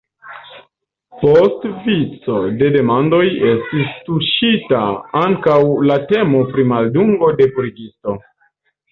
Post vico de demandoj estis tuŝita ankaŭ la temo pri maldungo de purigisto.